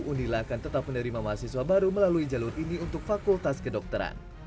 unila akan tetap menerima mahasiswa baru melalui jalur ini untuk fakultas kedokteran